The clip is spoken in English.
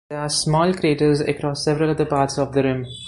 There are small craters across several other parts of the rim.